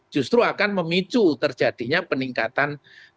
justru akan memicu terjadinya peningkatan